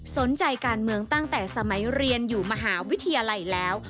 สนใจการเมืองตั้งแต่สมัยเรียนอยู่มหาวิทยาลัยแล้ว